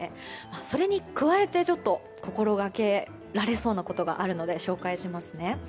それに加えて心がけられそうなことがあるので紹介しますね。